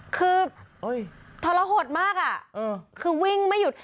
คือทรหดมากอ่ะคือวิ่งไม่หยุด